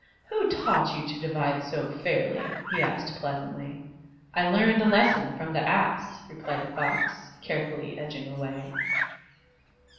"Who taught you to divide so fairly?" he asked pleasantly. "I learned a lesson from the Ass," replied the Fox, carefully edging away.